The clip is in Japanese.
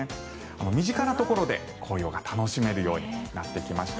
身近なところで紅葉が楽しめるようになってきました。